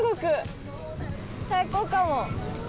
最高かも。